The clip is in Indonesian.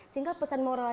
sehingga pesan moral